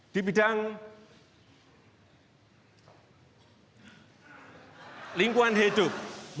di bidang lingkungan hidup